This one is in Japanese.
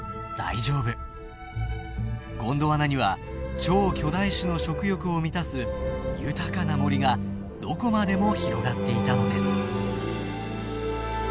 ゴンドワナには超巨大種の食欲を満たす豊かな森がどこまでも広がっていたのです。